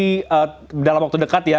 jadi dalam waktu dekat ya